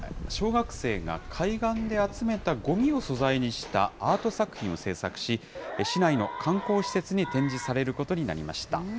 小学生が海岸で集めたごみを素材にしたアート作品を制作し、市内の観光施設に展示されることになりました。